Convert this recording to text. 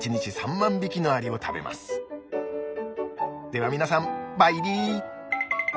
こうしてでは皆さんバイビー！